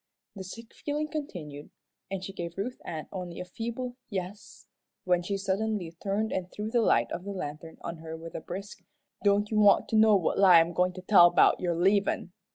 The sick feeling continued, and she gave Ruth Ann only a feeble "yes," when she suddenly turned and threw the light of the lantern on her with a brisk, "Don't you want to know what lie I'm goin' to tell 'bout your leavin'?